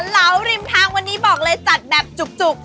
เหลาริมทางวันนี้บอกเลยจัดแบบจุก